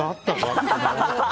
って。